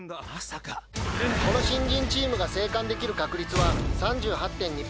この新人チームが生還できる確率は３８．２％。